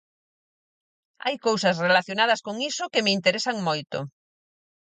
Hai cousas relacionadas con iso que me interesan moito.